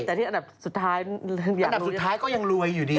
แต่ที่อันดับสุดท้ายอันดับสุดท้ายก็ยังรวยอยู่ดี